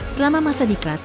selama masa di krat